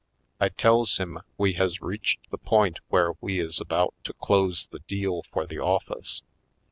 I tells him we has reached the point where we is about to close the deal for the office.